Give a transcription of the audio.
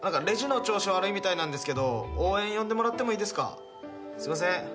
レジの調子悪いみたいなんですけど応援呼んでもらってもいいですか？すいません。